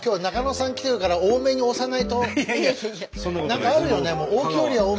何かあるよね。